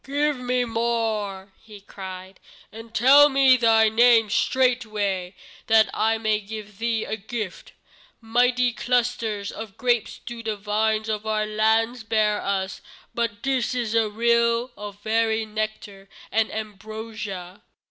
"Give me more," he cried, "and tell me thy name straightway, that I may give thee a gift. Mighty clusters of grapes do the vines of our land bear for us, but this is a rill of very nectar and ambrosia."